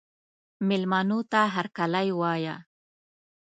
مېلمنو ته هرکلی وایه.